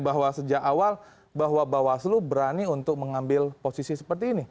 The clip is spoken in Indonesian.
bahwa sejak awal bahwa bawaslu berani untuk mengambil posisi seperti ini